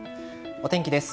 お天気です。